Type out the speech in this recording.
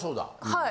はい。